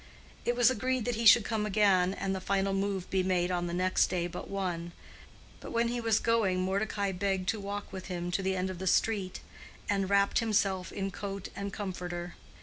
It was agreed that he should come again and the final move be made on the next day but one; but when he was going Mordecai begged to walk with him to the end of the street, and wrapped himself in coat and comforter.